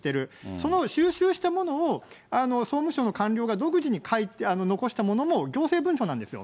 その収集したものを総務省の官僚が独自に残したものも行政文書なんですよ。